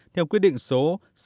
theo quy định số